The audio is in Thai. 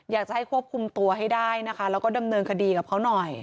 อยากจะให้ควบคุมตัวให้ได้นะคะแล้วก็ดำเนินคดีกับเขาหน่อย